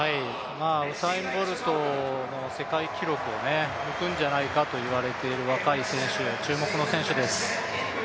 ウサイン・ボルトの世界記録を抜くんじゃないかと言われている若い選手、注目の選手です。